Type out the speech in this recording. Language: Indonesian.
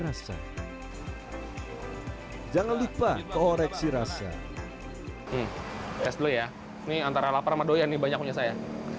rasa jangan lupa koreksi rasa tes dulu ya nih antara lapar medoya nih banyak punya saya